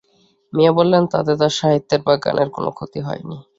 মিয়া বললেন, তাতে তাঁর সাহিত্যের বা গানের কোনো ক্ষতি হয় নি।